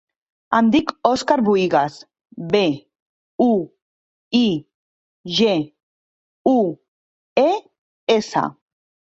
Em dic Òscar Buigues: be, u, i, ge, u, e, essa.